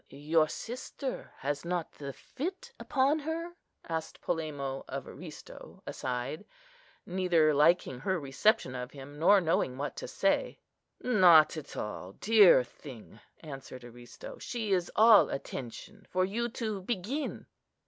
"Your sister has not the fit upon her?" asked Polemo of Aristo aside, neither liking her reception of him, nor knowing what to say. "Not at all, dear thing," answered Aristo; "she is all attention for you to begin."